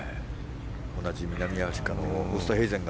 同じ南アフリカのウーストヘイゼンが